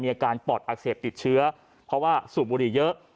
อาการปอดอักเสบติดเชื้อเพราะว่าสูบบุหรี่เยอะ